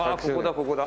ここだ。